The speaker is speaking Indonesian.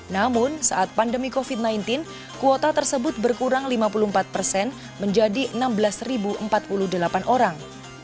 namun saat pandemi covid sembilan belas kuota tersebut berkurang lima puluh empat persen menjadi enam belas empat puluh delapan orang